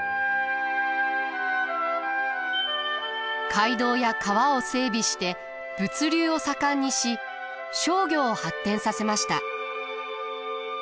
街道や川を整備して物流を盛んにし商業を発展させました。